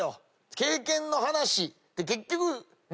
経験の話って結局何？